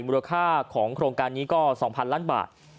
มูลค่าของโครงการนี้ก็๒๐๐ล้านบาท